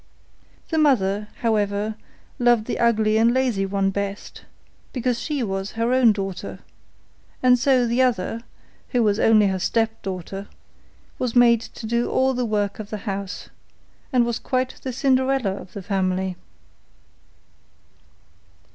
The mother, however, loved the ugly and lazy one best, because she was her own daughter, and so the other, who was only her stepdaughter, was made to do all the work of the house, and was quite the Cinderella of the family.